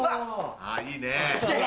あいいね。